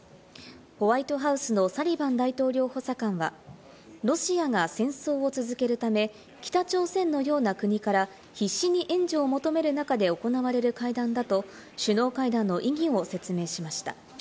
ホワイトハウスのサリバン大統領補佐官はロシアが戦争を続けるため、北朝鮮のような国から必死に援助を求める中で行われる会談だと首脳会談の意義を説明しました。